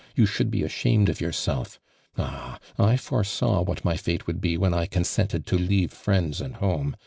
You should be ashamed of yourself. Ah 1 I foresaw what my fato would be wlien I consented to leave friends and home.